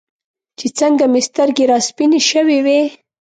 چې څنګه مې سترګې راسپینې شوې وې.